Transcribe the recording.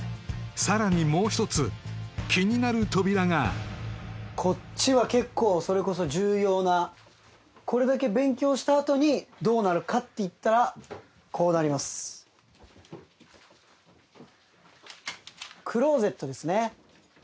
さらにもう一つ気になる扉がこっちは結構それこそ重要なこれだけ勉強したあとにどうなるかっていったらこうなりますクローゼットですね